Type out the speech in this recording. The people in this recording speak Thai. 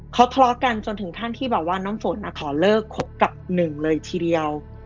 เขาทะเลาะกันจนถึงขั้นที่แบบว่าน้ำฝนขอเลิกคบกับหนึ่งเลยทีเดียว